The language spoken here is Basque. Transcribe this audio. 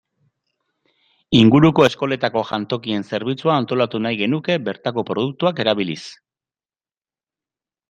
Inguruko eskoletako jantokien zerbitzua antolatu nahi genuke bertako produktuak erabiliz.